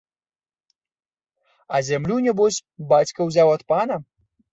А зямлю, нябось, бацька ўзяў ад пана?